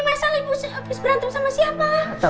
mas al abis berantem sama siapa